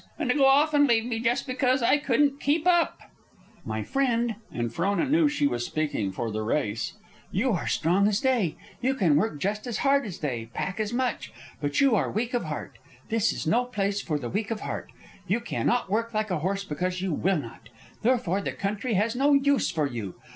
And to go off and leave me just because I couldn't keep up!" "My friend," and Frona knew she was speaking for the race, "you are strong as they. You can work just as hard as they; pack as much. But you are weak of heart. This is no place for the weak of heart. You cannot work like a horse because you will not. Therefore the country has no use for you.